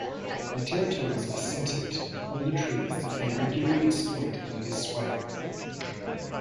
Their territories are centered on the trees that they regularly exploit in this way.